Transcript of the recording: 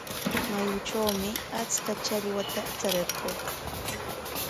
Mayutrawmi achka challwata charirquu.